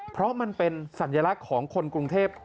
เพราะมันเป็นสัญลักษณ์ของคนกรุงเทพ